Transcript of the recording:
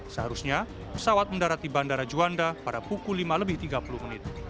seharusnya pesawat mendarat di bandara juanda pada pukul lima lebih tiga puluh menit